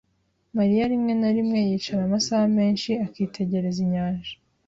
Mariya rimwe na rimwe yicara amasaha menshi akitegereza inyanja.